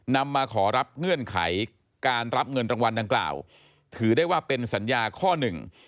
มาขอรับเงื่อนไขการรับเงินรางวัลดังกล่าวถือได้ว่าเป็นสัญญาข้อหนึ่ง